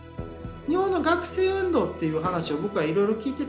日本の学生運動っていう話を僕はいろいろ聞いてたんですね